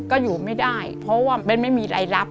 ก็อยู่ไม่ได้เพราะว่าเบ้นไม่มีรายรับ